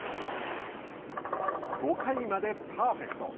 ５回までパーフェクト。